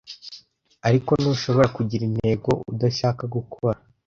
Ariko ntushobora kugira intego udashaka gukora.